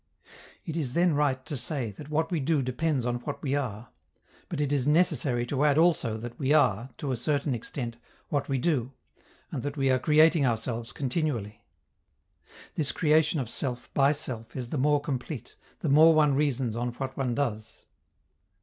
It is then right to say that what we do depends on what we are; but it is necessary to add also that we are, to a certain extent, what we do, and that we are creating ourselves continually. This creation of self by self is the more complete, the more one reasons on what one does.